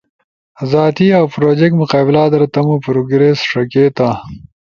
زاتی اؤ پروجیکٹ مقابلہ در تمو پروگریس ݜکیتا